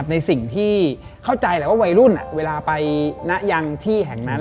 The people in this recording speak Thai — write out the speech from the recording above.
ในสิ่งที่เข้าใจแหละว่าวัยรุ่นเวลาไปนะยังที่แห่งนั้น